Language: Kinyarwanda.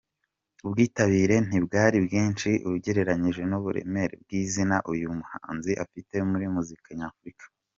Ubwitabire ntibwari bwinshi ugereranyije n’uburemere bw’izina uyu muhanzi afite muri muzika nyafurika.